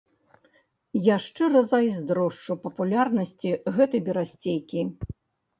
Я шчыра зайздрошчу папулярнасці гэтай берасцейкі!